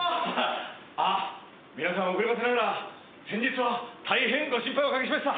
あっ皆さん遅ればせながら先日は大変ご心配おかけしました！